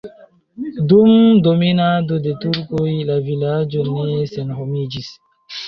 Dum dominado de turkoj la vilaĝo ne senhomiĝis.